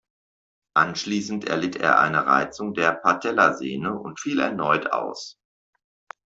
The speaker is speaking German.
Anschließend erlitt er eine Reizung der Patellasehne und fiel erneut aus.